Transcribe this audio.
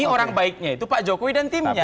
ini orang baiknya itu pak jokowi dan timnya